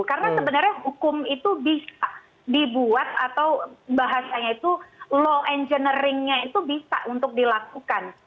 karena sebenarnya hukum itu bisa dibuat atau bahasanya itu law engineeringnya itu bisa untuk dilakukan